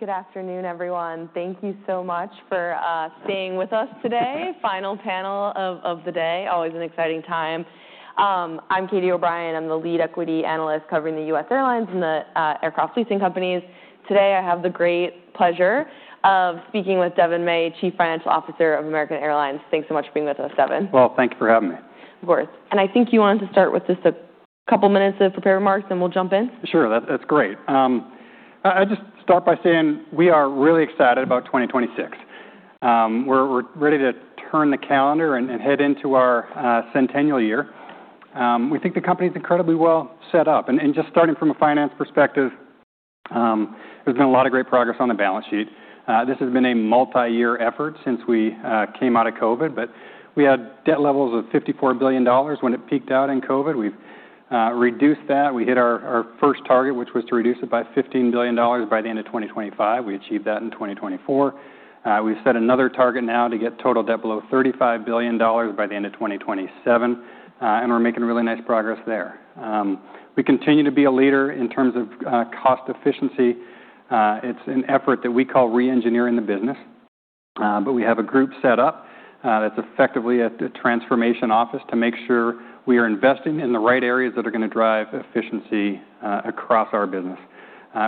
Good afternoon, everyone. Thank you so much for staying with us today. Final panel of the day, always an exciting time. I'm Catie O'Brien. I'm the Lead Equity Analyst covering the U.S. Airlines and the Aircraft Leasing Companies. Today, I have the great pleasure of speaking with Devon May, Chief Financial Officer of American Airlines. Thanks so much for being with us, Devon. Thank you for having me. Of course, and I think you wanted to start with just a couple of minutes of prepared remarks, and we'll jump in. Sure, that's great. I'll just start by saying we are really excited about 2026. We're ready to turn the calendar and head into our centennial year. We think the company is incredibly well set up, and just starting from a finance perspective, there's been a lot of great progress on the balance sheet. This has been a multi-year effort since we came out of COVID, but we had debt levels of $54 billion when it peaked out in COVID. We've reduced that. We hit our first target, which was to reduce it by $15 billion by the end of 2025. We achieved that in 2024. We've set another target now to get total debt below $35 billion by the end of 2027, and we're making really nice progress there. We continue to be a leader in terms of cost efficiency. It's an effort that we call re-engineering the business. We have a group set up that's effectively a transformation office to make sure we are investing in the right areas that are going to drive efficiency across our business.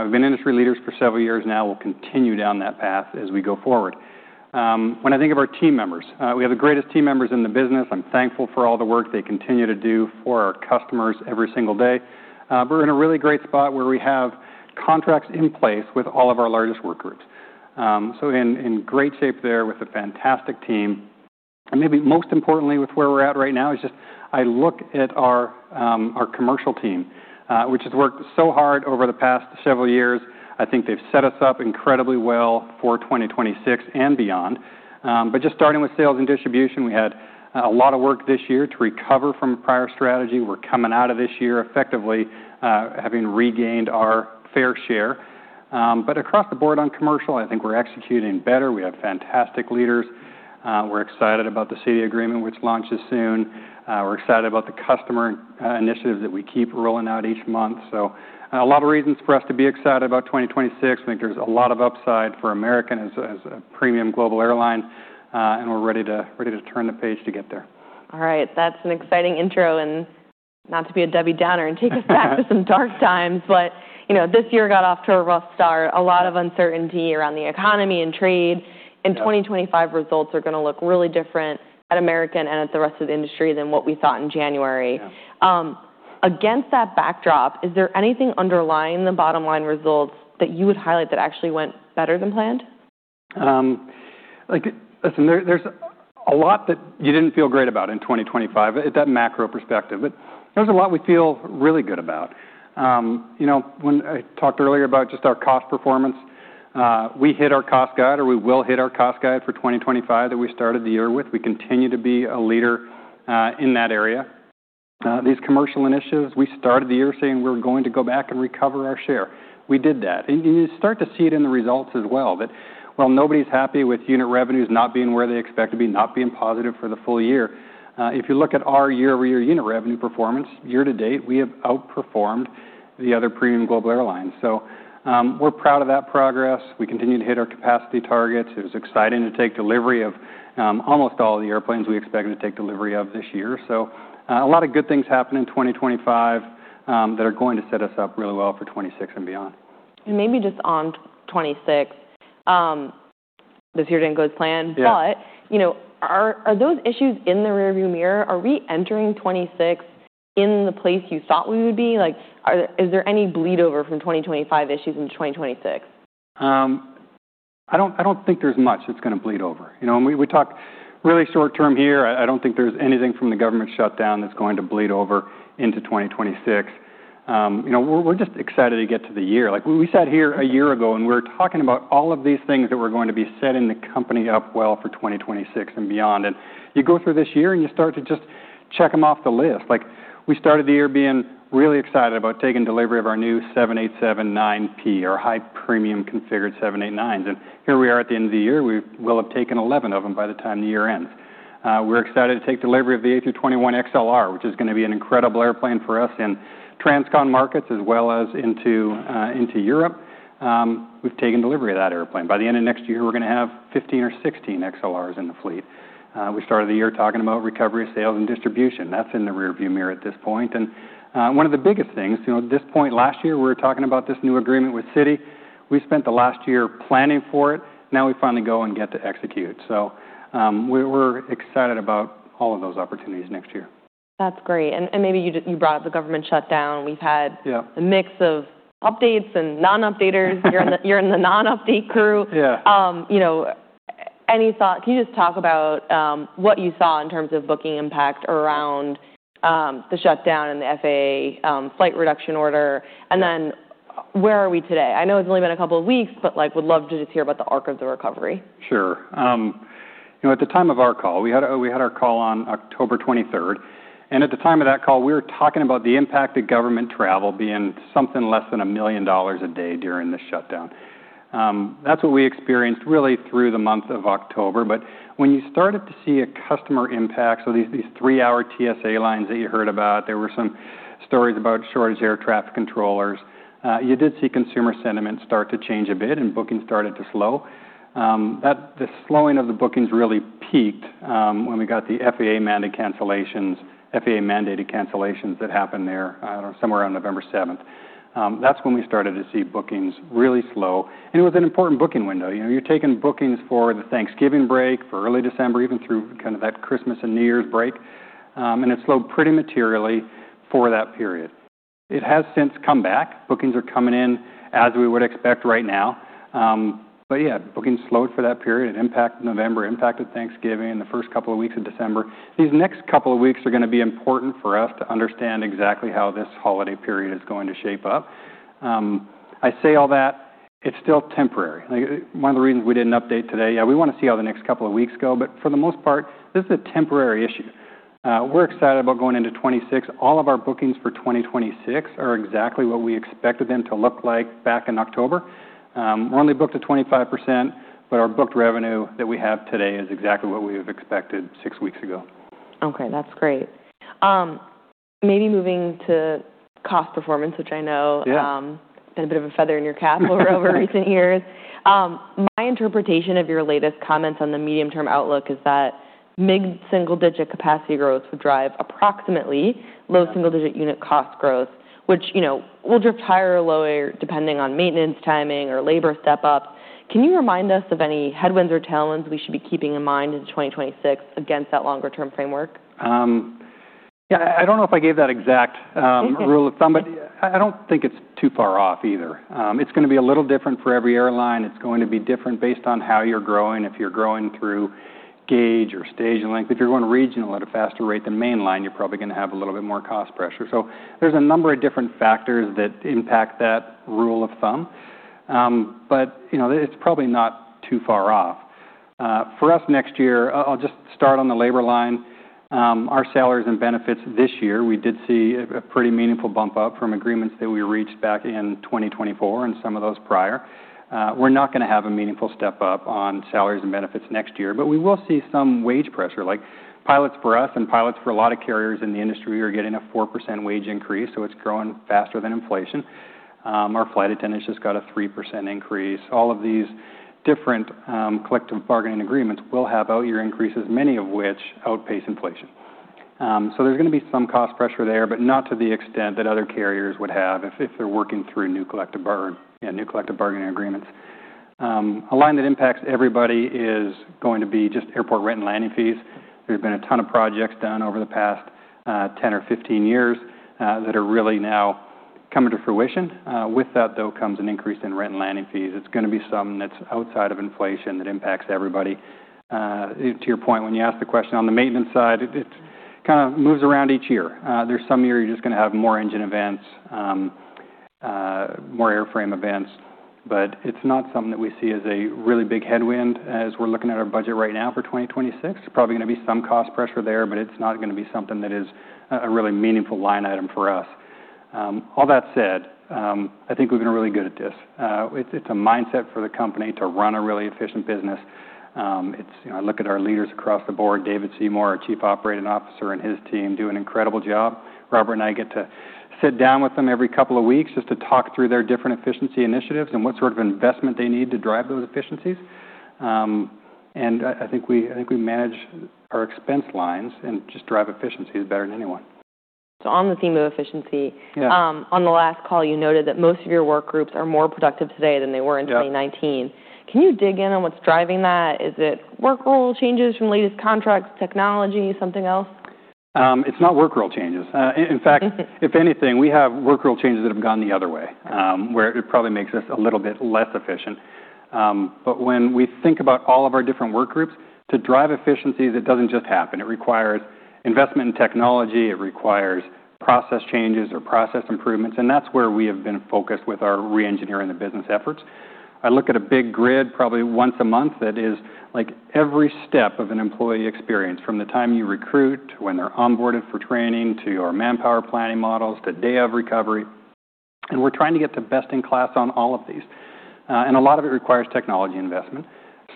We've been industry leaders for several years now. We'll continue down that path as we go forward. When I think of our team members, we have the greatest team members in the business. I'm thankful for all the work they continue to do for our customers every single day. We're in a really great spot where we have contracts in place with all of our largest work groups. So in great shape there with a fantastic team. And maybe most importantly, with where we're at right now, is just I look at our commercial team, which has worked so hard over the past several years. I think they've set us up incredibly well for 2026 and beyond. But just starting with sales and distribution, we had a lot of work this year to recover from prior strategy. We're coming out of this year effectively having regained our fair share. But across the board on commercial, I think we're executing better. We have fantastic leaders. We're excited about the Citi agreement, which launches soon. We're excited about the customer initiatives that we keep rolling out each month. So a lot of reasons for us to be excited about 2026. We think there's a lot of upside for American as a premium global airline. And we're ready to turn the page to get there. All right. That's an exciting intro. And not to be a Debbie Downer and take us back to some dark times, but this year got off to a rough start. A lot of uncertainty around the economy and trade. And 2025 results are going to look really different at American and at the rest of the industry than what we thought in January. Against that backdrop, is there anything underlying the bottom line results that you would highlight that actually went better than planned? Listen, there's a lot that you didn't feel great about in 2025 at that macro perspective, but there's a lot we feel really good about. When I talked earlier about just our cost performance, we hit our cost guide, or we will hit our cost guide for 2025 that we started the year with. We continue to be a leader in that area. These commercial initiatives, we started the year saying we're going to go back and recover our share. We did that, and you start to see it in the results as well, but while nobody's happy with unit revenues not being where they expect to be, not being positive for the full year, if you look at our year-over-year unit revenue performance year to date, we have outperformed the other premium global airlines, so we're proud of that progress. We continue to hit our capacity targets. It was exciting to take delivery of almost all of the airplanes we expected to take delivery of this year, so a lot of good things happen in 2025 that are going to set us up really well for 2026 and beyond. And maybe just on 2026, this year didn't go as planned. But are those issues in the rearview mirror? Are we entering 2026 in the place you thought we would be? Is there any bleed over from 2025 issues into 2026? I don't think there's much that's going to bleed over. We talk really short-term here. I don't think there's anything from the government shutdown that's going to bleed over into 2026. We're just excited to get to the year. We sat here a year ago and we were talking about all of these things that were going to be setting the company up well for 2026 and beyond. You go through this year and you start to just check them off the list. We started the year being really excited about taking delivery of our new 787-9P, our high-premium configured 787-9s. Here we are at the end of the year. We will have taken 11 of them by the time the year ends. We're excited to take delivery of the A321XLR, which is going to be an incredible airplane for us in transcontinental markets as well as into Europe. We've taken delivery of that airplane. By the end of next year, we're going to have 15 or 16 XLRs in the fleet. We started the year talking about recovery of sales and distribution. That's in the rearview mirror at this point. And one of the biggest things, at this point last year, we were talking about this new agreement with Citi. We spent the last year planning for it. Now we finally go and get to execute. So we're excited about all of those opportunities next year. That's great. And maybe you brought up the government shutdown. We've had a mix of updates and non-updaters. You're in the non-update crew. Any thought? Can you just talk about what you saw in terms of booking impact around the shutdown and the FAA flight reduction order? And then where are we today? I know it's only been a couple of weeks, but would love to just hear about the arc of the recovery. Sure. At the time of our call, we had our call on October 23rd. At the time of that call, we were talking about the impact of government travel being something less than $1 million a day during the shutdown. That's what we experienced really through the month of October. When you started to see a customer impact, so these three-hour TSA lines that you heard about, there were some stories about shortage of air traffic controllers. You did see consumer sentiment start to change a bit and bookings started to slow. The slowing of the bookings really peaked when we got the FAA-mandated cancellations that happened there somewhere around November 7th. That's when we started to see bookings really slow. It was an important booking window. You're taking bookings for the Thanksgiving break, for early December, even through kind of that Christmas and New Year's break. It slowed pretty materially for that period. It has since come back. Bookings are coming in as we would expect right now. But yeah, bookings slowed for that period. It impacted November, impacted Thanksgiving, the first couple of weeks of December. These next couple of weeks are going to be important for us to understand exactly how this holiday period is going to shape up. I say all that, it's still temporary. One of the reasons we didn't update today, yeah, we want to see how the next couple of weeks go. But for the most part, this is a temporary issue. We're excited about going into 2026. All of our bookings for 2026 are exactly what we expected them to look like back in October. We're only booked at 25%, but our booked revenue that we have today is exactly what we have expected six weeks ago. Okay, that's great. Maybe moving to cost performance, which I know has been a bit of a feather in your cap over recent years. My interpretation of your latest comments on the medium-term outlook is that mid-single-digit capacity growth would drive approximately low single-digit unit cost growth, which will drift higher or lower depending on maintenance timing or labor step-ups. Can you remind us of any headwinds or tailwinds we should be keeping in mind in 2026 against that longer-term framework? Yeah, I don't know if I gave that exact rule of thumb, but I don't think it's too far off either. It's going to be a little different for every airline. It's going to be different based on how you're growing, if you're growing through gauge or stage length. If you're going regional at a faster rate than mainline, you're probably going to have a little bit more cost pressure. So there's a number of different factors that impact that rule of thumb. But it's probably not too far off. For us next year, I'll just start on the labor line. Our salaries and benefits this year, we did see a pretty meaningful bump up from agreements that we reached back in 2024 and some of those prior. We're not going to have a meaningful step up on salaries and benefits next year, but we will see some wage pressure. Like pilots for us and pilots for a lot of carriers in the industry are getting a 4% wage increase, so it's growing faster than inflation. Our flight attendants just got a 3% increase. All of these different collective bargaining agreements will have out-year increases, many of which outpace inflation. So there's going to be some cost pressure there, but not to the extent that other carriers would have if they're working through new collective bargaining agreements. A line that impacts everybody is going to be just airport rent and landing fees. There have been a ton of projects done over the past 10 or 15 years that are really now coming to fruition. With that, though, comes an increase in rent and landing fees. It's going to be something that's outside of inflation that impacts everybody. To your point, when you asked the question on the maintenance side, it kind of moves around each year. There's some year you're just going to have more engine events, more airframe events, but it's not something that we see as a really big headwind as we're looking at our budget right now for 2026. There's probably going to be some cost pressure there, but it's not going to be something that is a really meaningful line item for us. All that said, I think we've been really good at this. It's a mindset for the company to run a really efficient business. I look at our leaders across the board, David Seymour, our Chief Operating Officer, and his team do an incredible job. Robert and I get to sit down with them every couple of weeks just to talk through their different efficiency initiatives and what sort of investment they need to drive those efficiencies. And I think we manage our expense lines and just drive efficiency better than anyone. On the theme of efficiency, on the last call, you noted that most of your work groups are more productive today than they were in 2019. Can you dig in on what's driving that? Is it work role changes from latest contracts, technology, something else? It's not work role changes. In fact, if anything, we have work role changes that have gone the other way, where it probably makes us a little bit less efficient. But when we think about all of our different work groups, to drive efficiencies, it doesn't just happen. It requires investment in technology. It requires process changes or process improvements. And that's where we have been focused with our re-engineering the business efforts. I look at a big grid probably once a month that is like every step of an employee experience from the time you recruit to when they're onboarded for training to your manpower planning models to day-of recovery. And we're trying to get the best in class on all of these. And a lot of it requires technology investment.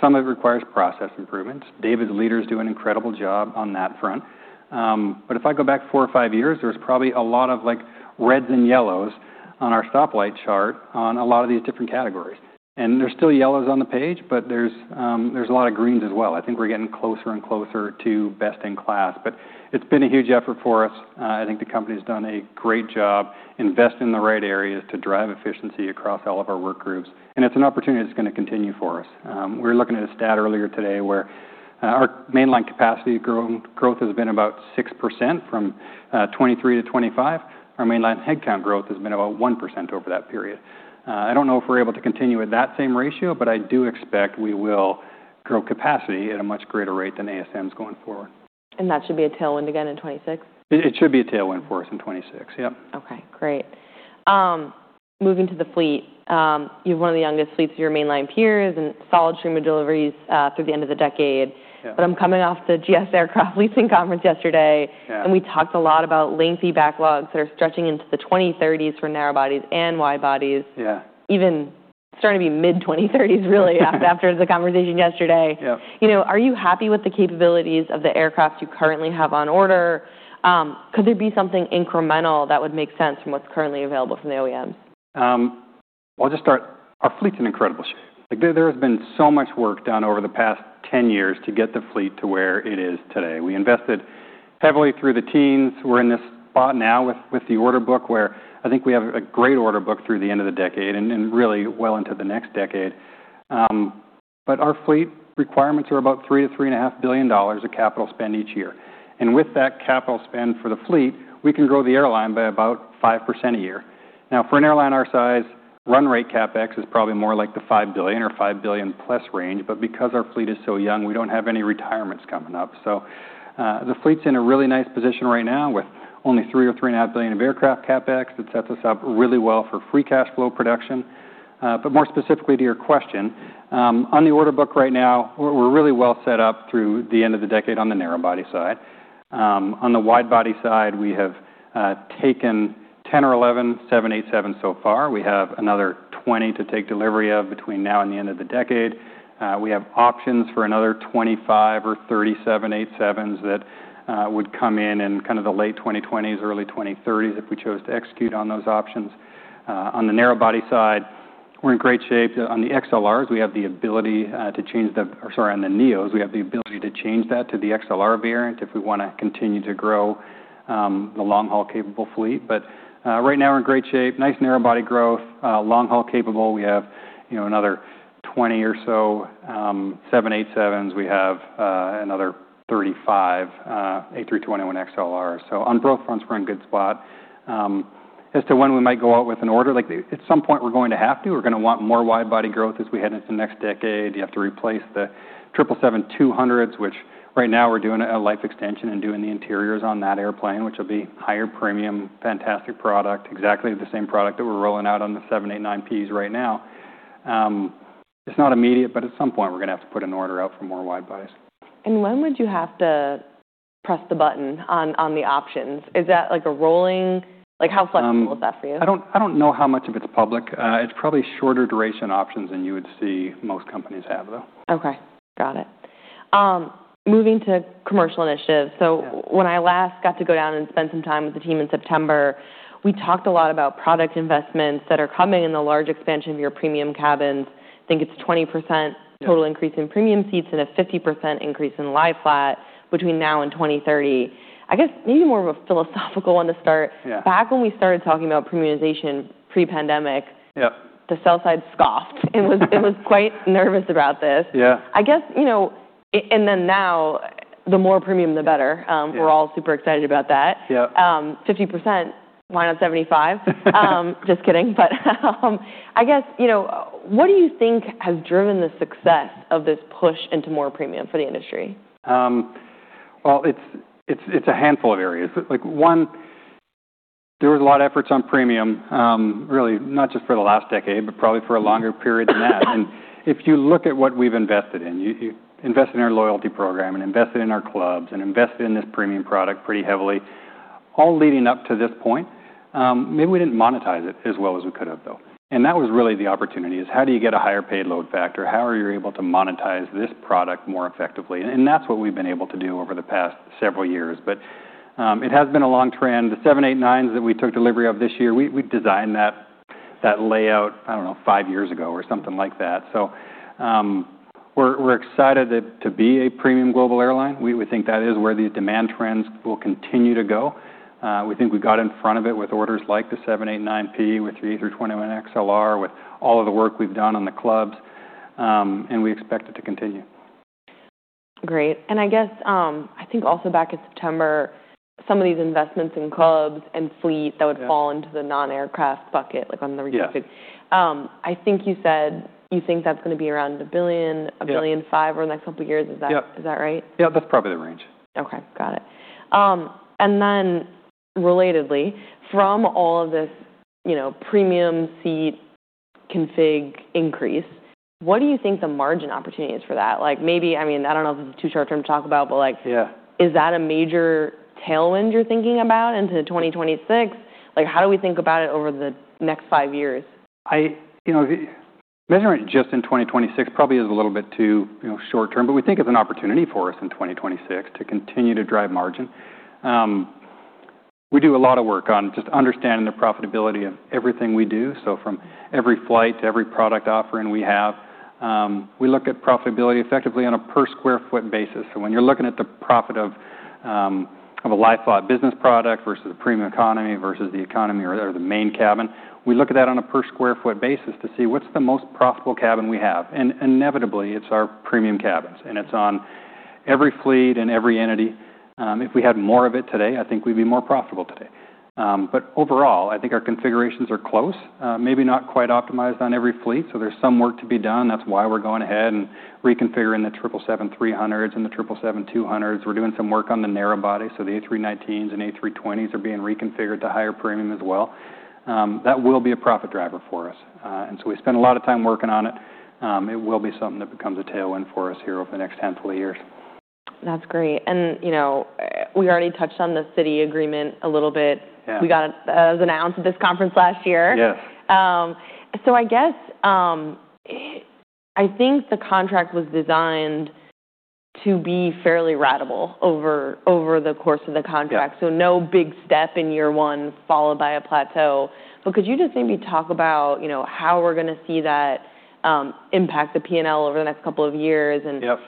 Some of it requires process improvements. David's leaders do an incredible job on that front. But if I go back four or five years, there was probably a lot of reds and yellows on our stoplight chart on a lot of these different categories. And there's still yellows on the page, but there's a lot of greens as well. I think we're getting closer and closer to best in class. But it's been a huge effort for us. I think the company has done a great job investing in the right areas to drive efficiency across all of our work groups. And it's an opportunity that's going to continue for us. We were looking at a stat earlier today where our mainline capacity growth has been about 6% from 2023 to 2025. Our mainline headcount growth has been about 1% over that period. I don't know if we're able to continue at that same ratio, but I do expect we will grow capacity at a much greater rate than ASMs going forward. And that should be a tailwind again in 2026? It should be a tailwind for us in 2026, yep. Okay, great. Moving to the fleet, you're one of the youngest fleets of your mainline peers and solid stream of deliveries through the end of the decade. But I'm coming off the GS Aircraft Leasing Conference yesterday, and we talked a lot about lengthy backlogs that are stretching into the 2030s for narrow bodies and wide bodies. Even starting to be mid-2030s, really, after the conversation yesterday. Are you happy with the capabilities of the aircraft you currently have on order? Could there be something incremental that would make sense from what's currently available from the OEMs? To start, our fleet's in incredible shape. There has been so much work done over the past 10 years to get the fleet to where it is today. We invested heavily through the teens. We're in this spot now with the order book where I think we have a great order book through the end of the decade and really well into the next decade. But our fleet requirements are about $3-$3.5 billion of capital spend each year. And with that capital spend for the fleet, we can grow the airline by about 5% a year. Now, for an airline our size, run-rate CapEx is probably more like the $5 billion or $5 billion plus range. But because our fleet is so young, we don't have any retirements coming up. The fleet's in a really nice position right now with only $3-$3.5 billion of aircraft CapEx. It sets us up really well for free cash flow production. But more specifically to your question, on the order book right now, we're really well set up through the end of the decade on the narrow body side. On the wide body side, we have taken 10 or 11 787s so far. We have another 20 to take delivery of between now and the end of the decade. We have options for another 25 or 30 787s that would come in in kind of the late 2020s, early 2030s if we chose to execute on those options. On the narrow body side, we're in great shape. On the XLRs, we have the ability to change the, or sorry, on the neos, we have the ability to change that to the XLR variant if we want to continue to grow the long-haul capable fleet. But right now, we're in great shape. Nice narrow body growth, long-haul capable. We have another 20 or so 787s. We have another 35 A321XLRs. So on both fronts, we're in a good spot. As to when we might go out with an order, at some point, we're going to have to. We're going to want more wide body growth as we head into the next decade. You have to replace the 777-200s, which right now we're doing a life extension and doing the interiors on that airplane, which will be higher premium, fantastic product, exactly the same product that we're rolling out on the 787-9Ps right now. It's not immediate, but at some point, we're going to have to put an order out for more widebodies. And when would you have to press the button on the options? Is that like a rolling? Like how flexible is that for you? I don't know how much of it's public. It's probably shorter duration options than you would see most companies have, though. Okay, got it. Moving to commercial initiatives. So when I last got to go down and spend some time with the team in September, we talked a lot about product investments that are coming in the large expansion of your premium cabins. I think it's a 20% total increase in premium seats and a 50% increase in lie-flat between now and 2030. I guess maybe more of a philosophical one to start. Back when we started talking about premiumization pre-pandemic, the sell side scoffed. It was quite nervous about this. I guess, and then now, the more premium, the better. We're all super excited about that. 50%, why not 75%? Just kidding. But I guess, what do you think has driven the success of this push into more premium for the industry? It's a handful of areas. One, there was a lot of efforts on premium, really, not just for the last decade, but probably for a longer period than that. If you look at what we've invested in, invested in our loyalty program, and invested in our clubs, and invested in this premium product pretty heavily, all leading up to this point, maybe we didn't monetize it as well as we could have, though. That was really the opportunity: how do you get a higher payload factor? How are you able to monetize this product more effectively? That's what we've been able to do over the past several years. It has been a long trend. The 787-9s that we took delivery of this year, we designed that layout, I don't know, five years ago or something like that. We're excited to be a premium global airline. We think that is where the demand trends will continue to go. We think we got in front of it with orders like the 787-9P, with the A321XLR, with all of the work we've done on the clubs, and we expect it to continue. Great. And I guess, I think also back in September, some of these investments in clubs and fleet that would fall into the non-aircraft bucket, like on the restricted, I think you said you think that's going to be around $1 billion-$1.5 billion over the next couple of years. Is that right? Yeah, that's probably the range. Okay, got it. And then relatedly, from all of this premium seat config increase, what do you think the margin opportunity is for that? Like maybe, I mean, I don't know if this is too short-term to talk about, but is that a major tailwind you're thinking about into 2026? Like how do we think about it over the next five years? Measuring it just in 2026 probably is a little bit too short-term, but we think it's an opportunity for us in 2026 to continue to drive margin. We do a lot of work on just understanding the profitability of everything we do. So from every flight to every product offering we have, we look at profitability effectively on a per square foot basis. So when you're looking at the profit of a lie-flat business product versus a premium economy versus the economy or the Main Cabin, we look at that on a per square foot basis to see what's the most profitable cabin we have, and inevitably it's our premium cabins, and it's on every fleet and every entity. If we had more of it today, I think we'd be more profitable today, but overall I think our configurations are close, maybe not quite optimized on every fleet. There's some work to be done. That's why we're going ahead and reconfiguring the 777-300s and the 777-200s. We're doing some work on the narrow body. The A319s and A320s are being reconfigured to higher premium as well. That will be a profit driver for us. We spend a lot of time working on it. It will be something that becomes a tailwind for us here over the next handful of years. That's great. And we already touched on the Citi agreement a little bit. We got it as announced at this conference last year. So I guess I think the contract was designed to be fairly ratable over the course of the contract. So no big step in year one followed by a plateau. But could you just maybe talk about how we're going to see that impact the P&L over the next couple of years?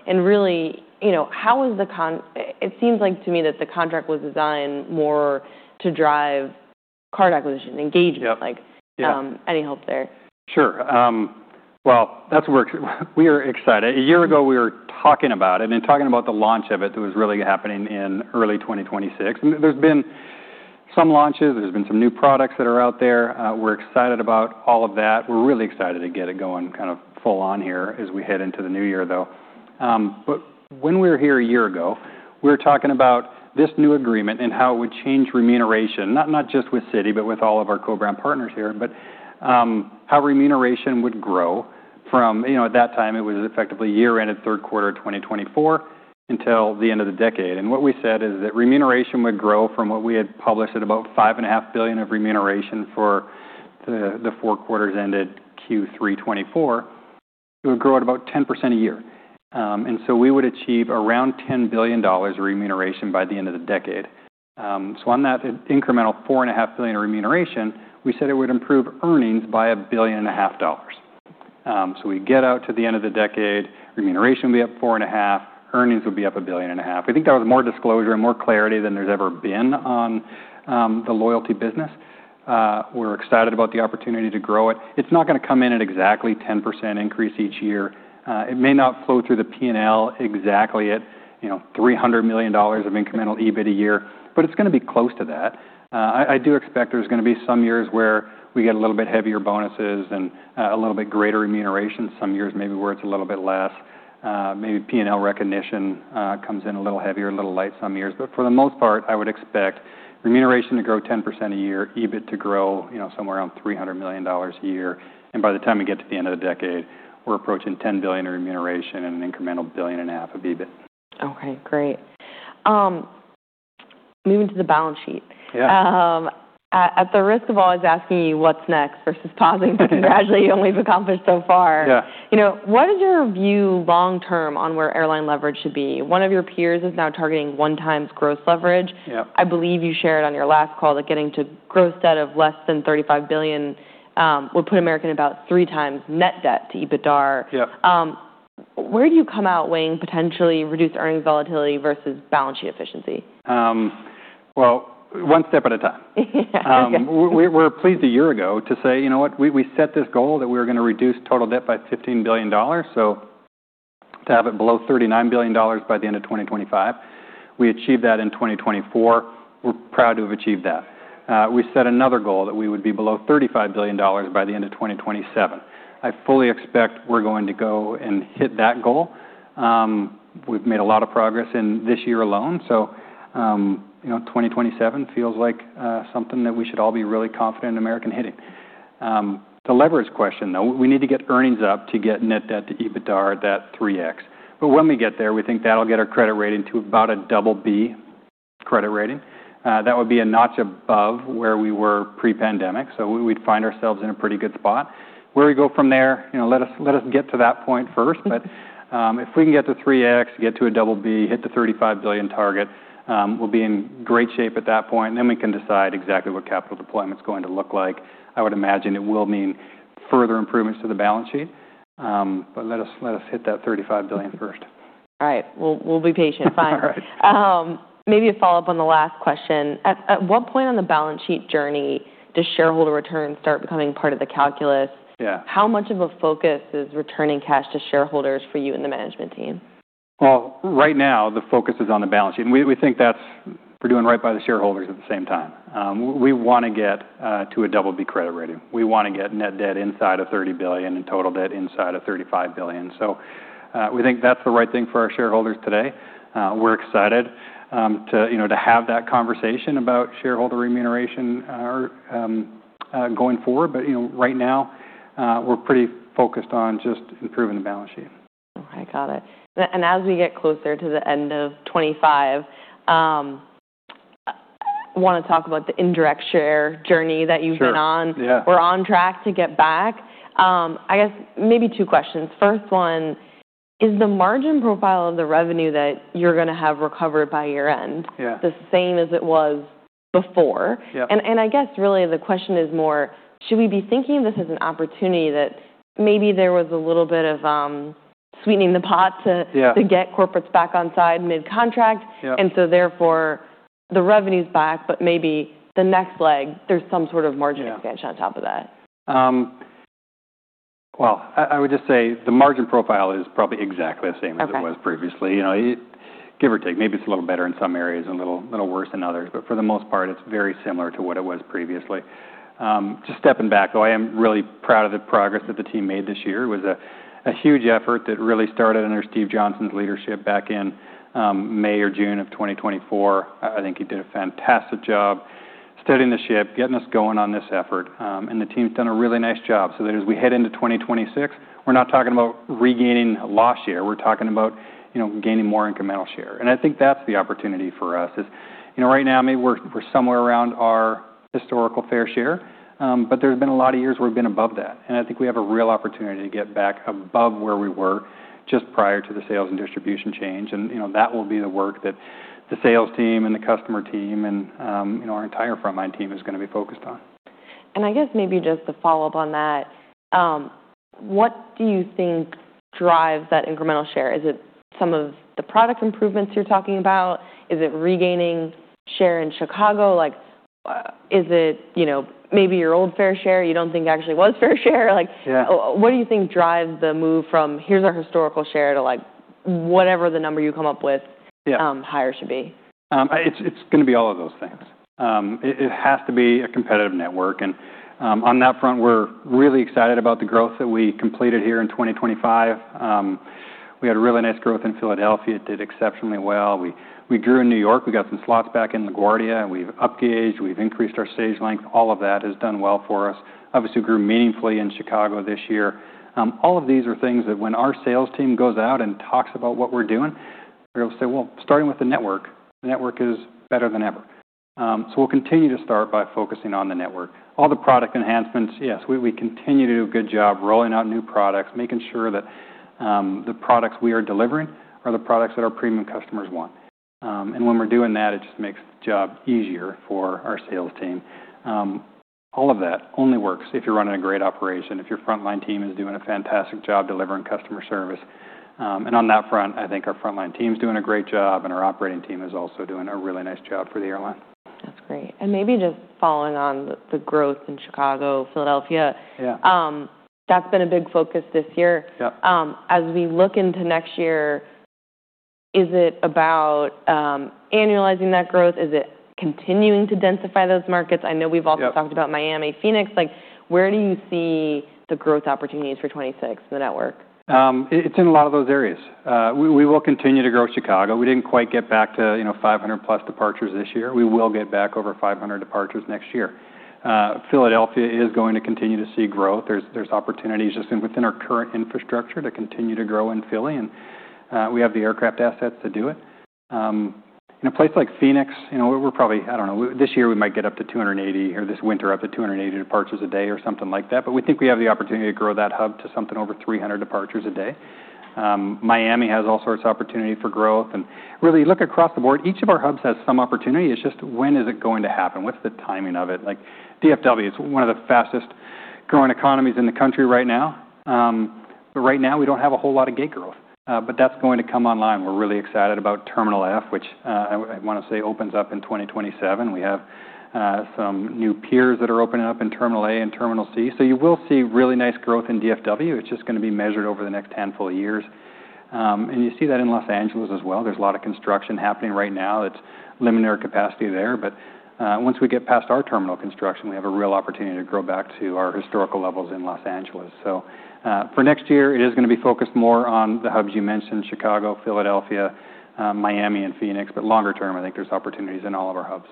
And really, how was the contract... It seems like to me that the contract was designed more to drive card acquisition, engagement. Any help there? Sure, well, that's what we're... We are excited. A year ago, we were talking about it and talking about the launch of it that was really happening in early 2026. There's been some launches. There's been some new products that are out there. We're excited about all of that. We're really excited to get it going kind of full on here as we head into the new year, though, but when we were here a year ago, we were talking about this new agreement and how it would change remuneration, not just with Citi, but with all of our co-brand partners here, but how remuneration would grow from... At that time, it was effectively year-end at third quarter of 2024 until the end of the decade. And what we said is that remuneration would grow from what we had published at about $5.5 billion of remuneration for the four quarters ended Q3 2024. It would grow at about 10% a year. And so we would achieve around $10 billion remuneration by the end of the decade. So on that incremental $4.5 billion remuneration, we said it would improve earnings by $1.5 billion. So we get out to the end of the decade, remuneration will be up $4.5, earnings will be up $1.5 billion. We think that was more disclosure and more clarity than there's ever been on the loyalty business. We're excited about the opportunity to grow it. It's not going to come in at exactly 10% increase each year. It may not flow through the P&L exactly at $300 million of incremental EBIT a year, but it's going to be close to that. I do expect there's going to be some years where we get a little bit heavier bonuses and a little bit greater remuneration. Some years maybe where it's a little bit less. Maybe P&L recognition comes in a little heavier, a little light some years. But for the most part, I would expect remuneration to grow 10% a year, EBIT to grow somewhere around $300 million a year. And by the time we get to the end of the decade, we're approaching $10 billion in remuneration and an incremental $1.5 billion of EBIT. Okay, great. Moving to the balance sheet. At the risk of always asking you what's next versus pausing to congratulate you on what you've accomplished so far, what is your view long-term on where airline leverage should be? One of your peers is now targeting 1x gross leverage. I believe you shared on your last call that getting to a gross debt of less than $35 billion would put America in about three times net debt to EBITDA. Where do you come out weighing potentially reduced earnings volatility versus balance sheet efficiency? One step at a time. We were pleased a year ago to say, you know what, we set this goal that we were going to reduce total debt by $15 billion, so to have it below $39 billion by the end of 2025. We achieved that in 2024. We're proud to have achieved that. We set another goal that we would be below $35 billion by the end of 2027. I fully expect we're going to go and hit that goal. We've made a lot of progress in this year alone. So 2027 feels like something that we should all be really confident in American hitting. The leverage question, though, we need to get earnings up to get net debt to EBITDA at that 3x. But when we get there, we think that'll get our credit rating to about a double B credit rating. That would be a notch above where we were pre-pandemic. So we'd find ourselves in a pretty good spot. Where we go from there, let us get to that point first. But if we can get to 3x, get to a double B, hit the $35 billion target, we'll be in great shape at that point. Then we can decide exactly what capital deployment's going to look like. I would imagine it will mean further improvements to the balance sheet. But let us hit that $35 billion first. All right. We'll be patient. Fine. Maybe a follow-up on the last question. At what point on the balance sheet journey does shareholder return start becoming part of the calculus? How much of a focus is returning cash to shareholders for you and the management team? Right now, the focus is on the balance sheet. We think that we're doing right by the shareholders at the same time. We want to get to a double B credit rating. We want to get net debt inside of $30 billion and total debt inside of $35 billion. We think that's the right thing for our shareholders today. We're excited to have that conversation about shareholder remuneration going forward. But right now, we're pretty focused on just improving the balance sheet. Okay, got it. And as we get closer to the end of 2025, I want to talk about the indirect share journey that you've been on. We're on track to get back. I guess maybe two questions. First one, is the margin profile of the revenue that you're going to have recovered by year-end the same as it was before? And I guess really the question is more, should we be thinking of this as an opportunity that maybe there was a little bit of sweetening the pot to get corporates back on side mid-contract? And so therefore, the revenue's back, but maybe the next leg, there's some sort of margin expansion on top of that. I would just say the margin profile is probably exactly the same as it was previously. Give or take, maybe it's a little better in some areas and a little worse in others. But for the most part, it's very similar to what it was previously. Just stepping back, though, I am really proud of the progress that the team made this year. It was a huge effort that really started under Steve Johnson's leadership back in May or June of 2024. I think he did a fantastic job steadying the ship, getting us going on this effort. And the team's done a really nice job. So as we head into 2026, we're not talking about regaining lost share. We're talking about gaining more incremental share. And I think that's the opportunity for us. Right now, maybe we're somewhere around our historical fair share, but there's been a lot of years where we've been above that. And I think we have a real opportunity to get back above where we were just prior to the sales and distribution change. And that will be the work that the sales team and the customer team and our entire frontline team is going to be focused on. And I guess maybe just to follow up on that, what do you think drives that incremental share? Is it some of the product improvements you're talking about? Is it regaining share in Chicago? Is it maybe your old fair share you don't think actually was fair share? What do you think drives the move from here's our historical share to whatever the number you come up with higher should be? It's going to be all of those things. It has to be a competitive network, and on that front, we're really excited about the growth that we completed here in 2025. We had a really nice growth in Philadelphia. It did exceptionally well. We grew in New York. We got some slots back in LaGuardia. We've up-gauged. We've increased our stage length. All of that has done well for us. Obviously, we grew meaningfully in Chicago this year. All of these are things that when our sales team goes out and talks about what we're doing, they'll say, well, starting with the network, the network is better than ever, so we'll continue to start by focusing on the network. All the product enhancements, yes, we continue to do a good job rolling out new products, making sure that the products we are delivering are the products that our premium customers want. And when we're doing that, it just makes the job easier for our sales team. All of that only works if you're running a great operation, if your frontline team is doing a fantastic job delivering customer service. And on that front, I think our frontline team's doing a great job and our operating team is also doing a really nice job for the airline. That's great. And maybe just following on the growth in Chicago, Philadelphia, that's been a big focus this year. As we look into next year, is it about annualizing that growth? Is it continuing to densify those markets? I know we've also talked about Miami, Phoenix. Where do you see the growth opportunities for 2026 in the network? It's in a lot of those areas. We will continue to grow Chicago. We didn't quite get back to 500-plus departures this year. We will get back over 500 departures next year. Philadelphia is going to continue to see growth. There's opportunities just within our current infrastructure to continue to grow in Philly. And we have the aircraft assets to do it. In a place like Phoenix, we're probably, I don't know, this year we might get up to 280 or this winter up to 280 departures a day or something like that. But we think we have the opportunity to grow that hub to something over 300 departures a day. Miami has all sorts of opportunity for growth. And really, look across the board, each of our hubs has some opportunity. It's just when is it going to happen? What's the timing of it? DFW is one of the fastest growing economies in the country right now. But right now, we don't have a whole lot of gate growth. But that's going to come online. We're really excited about Terminal F, which I want to say opens up in 2027. We have some new piers that are opening up in Terminal A and Terminal C. So you will see really nice growth in DFW. It's just going to be measured over the next handful of years. And you see that in Los Angeles as well. There's a lot of construction happening right now that's limiting our capacity there. But once we get past our terminal construction, we have a real opportunity to grow back to our historical levels in Los Angeles. So for next year, it is going to be focused more on the hubs you mentioned, Chicago, Philadelphia, Miami, and Phoenix. But longer term, I think there's opportunities in all of our hubs.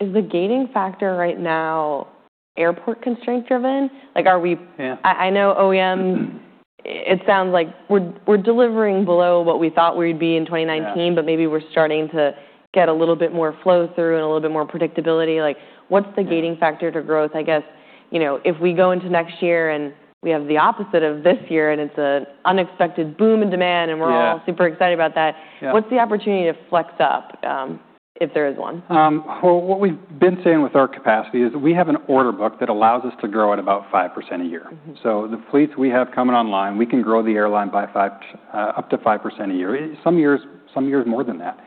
Is the gating factor right now airport constraint driven? I know OEMs, it sounds like we're delivering below what we thought we'd be in 2019, but maybe we're starting to get a little bit more flow through and a little bit more predictability. What's the gating factor to growth? I guess if we go into next year and we have the opposite of this year and it's an unexpected boom in demand and we're all super excited about that, what's the opportunity to flex up if there is one? What we've been saying with our capacity is we have an order book that allows us to grow at about 5% a year. The fleets we have coming online, we can grow the airline up to 5% a year. Some years more than that.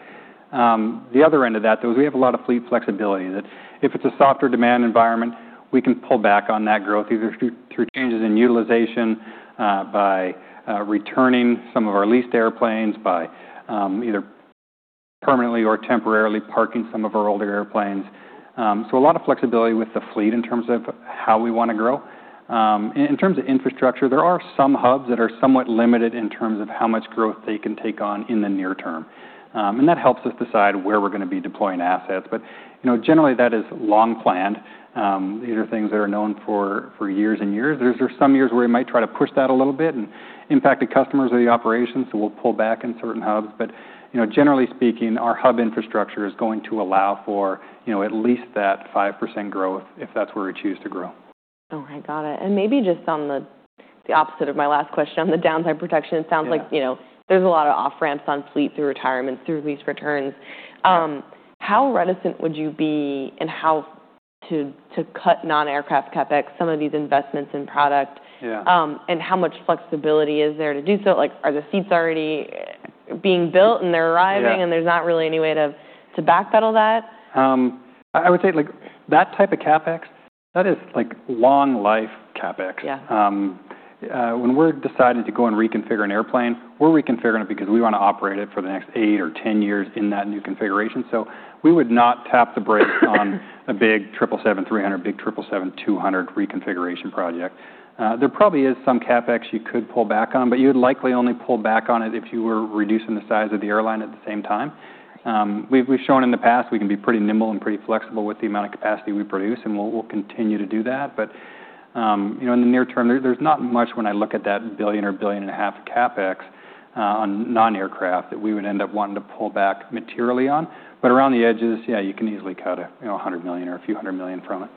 The other end of that, though, is we have a lot of fleet flexibility that if it's a softer demand environment, we can pull back on that growth either through changes in utilization, by returning some of our leased airplanes, by either permanently or temporarily parking some of our older airplanes. A lot of flexibility with the fleet in terms of how we want to grow. In terms of infrastructure, there are some hubs that are somewhat limited in terms of how much growth they can take on in the near term. That helps us decide where we're going to be deploying assets. But generally, that is long planned. These are things that are known for years and years. There are some years where we might try to push that a little bit and impact the customers or the operations. So we'll pull back in certain hubs. But generally speaking, our hub infrastructure is going to allow for at least that 5% growth if that's where we choose to grow. All right, got it. And maybe just on the opposite of my last question on the downside protection, it sounds like there's a lot of off-ramps on fleet through retirement, through lease returns. How reticent would you be in how to cut non-aircraft CapEx, some of these investments in product? And how much flexibility is there to do so? Are the seats already being built and they're arriving and there's not really any way to backpedal that? I would say that type of CapEx, that is long-life CapEx. When we're deciding to go and reconfigure an airplane, we're reconfiguring it because we want to operate it for the next eight or 10 years in that new configuration. So we would not tap the brakes on a big 777-300, big 777-200 reconfiguration project. There probably is some CapEx you could pull back on, but you'd likely only pull back on it if you were reducing the size of the airline at the same time. We've shown in the past we can be pretty nimble and pretty flexible with the amount of capacity we produce, and we'll continue to do that. But in the near term, there's not much when I look at that $1 billion or $1.5 billion of CapEx on non-aircraft that we would end up wanting to pull back materially on. But around the edges, yeah, you can easily cut $100 million or a few hundred million from it.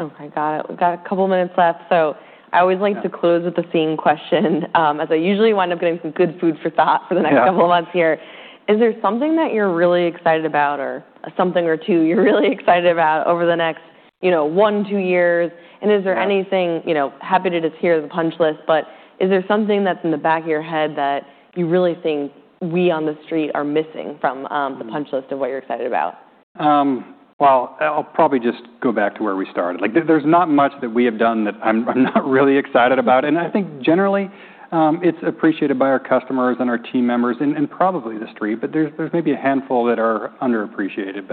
Okay, got it. We've got a couple of minutes left. So I always like to close with the same question, as I usually wind up getting some good food for thought for the next couple of months here. Is there something that you're really excited about or something or two you're really excited about over the next one, two years? And is there anything, happy to just hear the punch list, but is there something that's in the back of your head that you really think we on the street are missing from the punch list of what you're excited about? I'll probably just go back to where we started. There's not much that we have done that I'm not really excited about. I think generally, it's appreciated by our customers and our team members and probably the street, but there's maybe a handful that are underappreciated.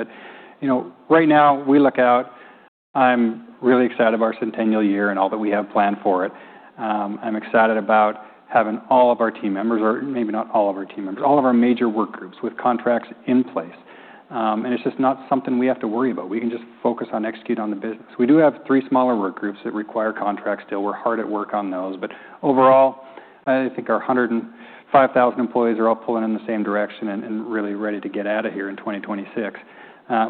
Right now, we look out. I'm really excited about our centennial year and all that we have planned for it. I'm excited about having all of our team members, or maybe not all of our team members, all of our major work groups with contracts in place. It's just not something we have to worry about. We can just focus on executing on the business. We do have three smaller work groups that require contracts still. We're hard at work on those. But overall, I think our 105,000 employees are all pulling in the same direction and really ready to get out of here in 2026.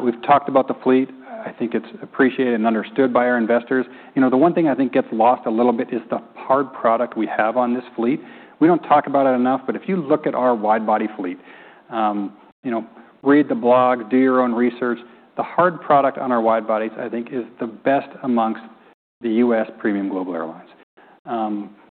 We've talked about the fleet. I think it's appreciated and understood by our investors. The one thing I think gets lost a little bit is the hard product we have on this fleet. We don't talk about it enough, but if you look at our widebody fleet, read the blogs, do your own research, the hard product on our widebodies, I think, is the best amongst the U.S. premium global airlines.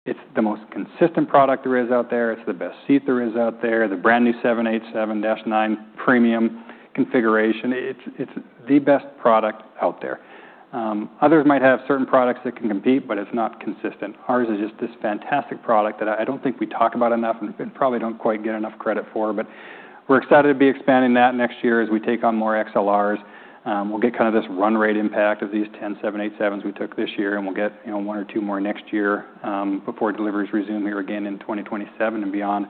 It's the most consistent product there is out there. It's the best seat there is out there, the brand new 787-9 premium configuration. It's the best product out there. Others might have certain products that can compete, but it's not consistent. Ours is just this fantastic product that I don't think we talk about enough and probably don't quite get enough credit for. But we're excited to be expanding that next year as we take on more XLRs. We'll get kind of this run-rate impact of these 10 787s we took this year, and we'll get one or two more next year before deliveries resume here again in 2027 and beyond.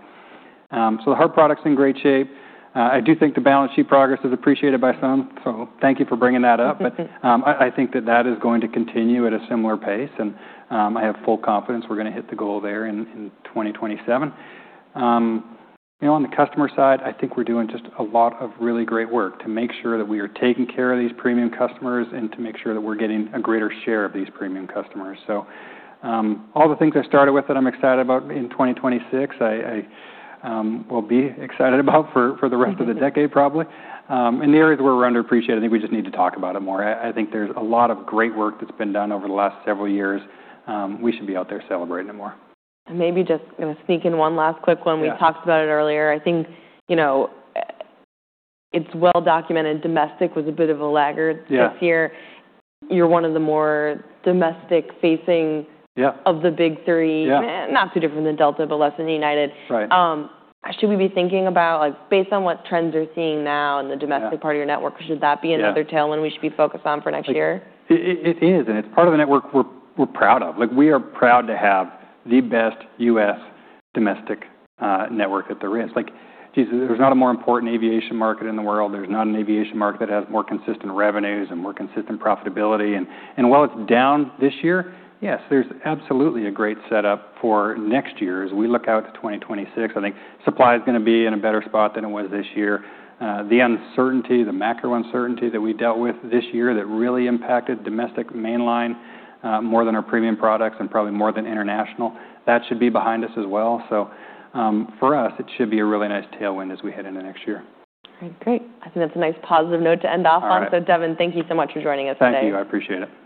So the hard product is in great shape. I do think the balance sheet progress is appreciated by some. So thank you for bringing that up. But I think that that is going to continue at a similar pace. And I have full confidence we're going to hit the goal there in 2027. On the customer side, I think we're doing just a lot of really great work to make sure that we are taking care of these premium customers and to make sure that we're getting a greater share of these premium customers. So all the things I started with that I'm excited about in 2026, I will be excited about for the rest of the decade, probably. In the areas where we're underappreciated, I think we just need to talk about it more. I think there's a lot of great work that's been done over the last several years. We should be out there celebrating it more. And maybe just going to sneak in one last quick one. We talked about it earlier. I think it's well documented. Domestic was a bit of a laggard this year. You're one of the more domestic-facing of the big three, not too different than Delta, but less than United. Should we be thinking about, based on what trends you're seeing now in the domestic part of your network, should that be another tailwind we should be focused on for next year? It is. And it's part of the network we're proud of. We are proud to have the best U.S. domestic network that there is. There's not a more important aviation market in the world. There's not an aviation market that has more consistent revenues and more consistent profitability. And while it's down this year, yes, there's absolutely a great setup for next year as we look out to 2026. I think supply is going to be in a better spot than it was this year. The uncertainty, the macro uncertainty that we dealt with this year that really impacted domestic mainline more than our premium products and probably more than international, that should be behind us as well. So for us, it should be a really nice tailwind as we head into next year. Great. I think that's a nice positive note to end off on. So Devon, thank you so much for joining us today. Thank you. I appreciate it.